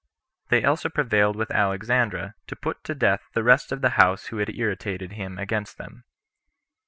] They also prevailed with Alexandra to put to death the rest of those who had irritated him against them.